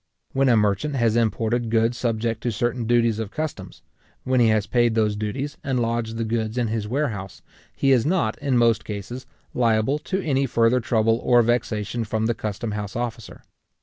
When a merchant has imported goods subject to certain duties of customs; when he has paid those duties, and lodged the goods in his warehouse; he is not, in most cases, liable to any further trouble or vexation from the custom house officer.